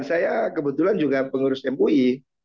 saya kebetulan juga pengurus mui